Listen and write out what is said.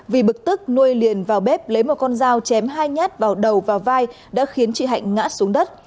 vì bực tức nuôi liền vào bếp lấy một con dao chém hai nhát vào đầu và vai đã khiến chị hạnh ngã xuống đất